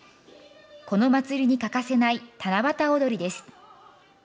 このまつりに欠かせない七夕おどりです。